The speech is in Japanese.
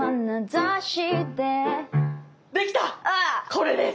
これです！